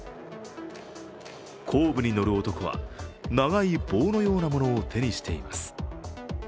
後部に乗る男は、長い棒のようなものを手にしています。